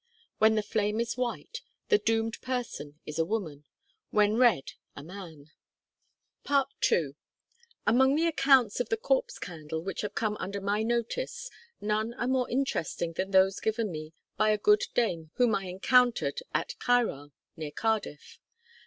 When the flame is white, the doomed person is a woman; when red, a man. FOOTNOTE: Stephens, 'Lit. of the Kymry,' 287. (New Ed., 1876.) II. Among the accounts of the Corpse Candle which have come under my notice none are more interesting than those given me by a good dame whom I encountered at Caerau, near Cardiff.